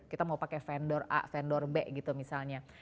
kita mau pakai vendor a vendor b gitu misalnya